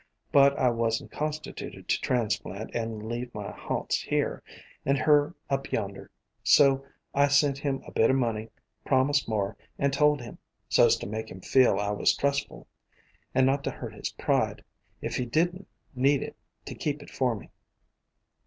But I wa'n't constituted to transplant and leave my haunts here, and her up yonder, so I sent him a bit of money, promised more, and told him, so 's to make him feel I was trustful, and not to hurt his pride, if he did n't need it, to keep it for me.